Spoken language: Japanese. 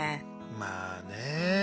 まあね。